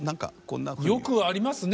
よくありますね。